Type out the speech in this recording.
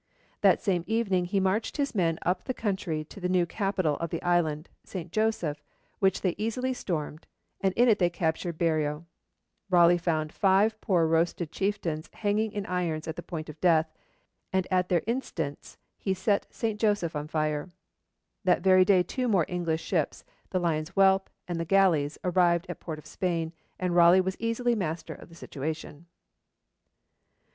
That same evening he marched his men up the country to the new capital of the island, St. Joseph, which they easily stormed, and in it they captured Berreo. Raleigh found five poor roasted chieftains hanging in irons at the point of death, and at their instance he set St. Joseph on fire. That very day two more English ships, the 'Lion's Whelp' and the 'Galleys,' arrived at Port of Spain, and Raleigh was easily master of the situation.